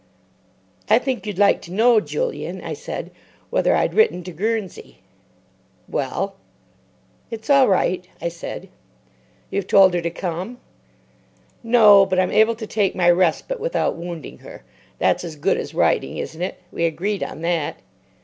"I think you'd like to know, Julian," I said, "whether I'd written to Guernsey." "Well?" "It's all right," I said. "You've told her to come?" "No; but I'm able to take my respite without wounding her. That's as good as writing, isn't it? We agreed on that."